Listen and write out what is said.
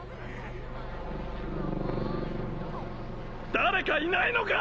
誰かいないのか！